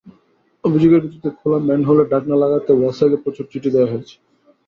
অভিযোগের ভিত্তিতে খোলা ম্যানহোলের ঢাকনা লাগাতে ওয়াসাকে প্রচুর চিঠি দেওয়া হয়েছে।